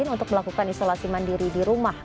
untuk melakukan isolasi mandiri di rumah